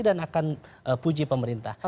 dan akan puji pemerintah